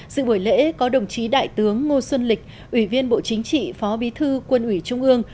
sự buổi lễ có đồng chí đại tướng ngô xuân lịch ủy viên bộ chính trị phó bí thư quân ủy trung ương